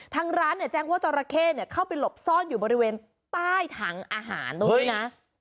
ทางร้านแจ้งว่าจราเข้เข้าไปหลบซ่อนอยู่บริเวณใต้ถังอาหารตรงนี้นะ